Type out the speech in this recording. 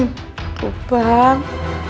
gak ada bang